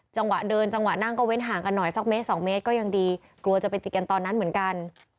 จังหวะเดินจังหวะนั่งก็เว้นห่างกันหน่อยสักเมตรสองเมตรก็ยังดีกลัวจะไปติดกันตอนนั้นเหมือนกัน